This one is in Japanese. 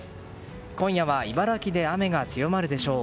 今夜は茨城で雨が強まるでしょう。